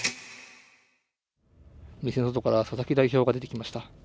店から佐々木代表が出てきました。